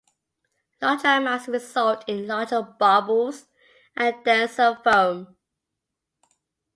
Larger amounts result in larger bubbles and denser foam.